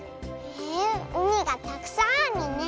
へえうみがたくさんあるね。